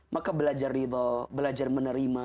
maka belajar ridho belajar menerima